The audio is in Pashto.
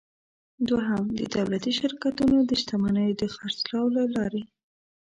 دوهم: د دولتي شرکتونو د شتمنیو د خرڅلاو له لارې.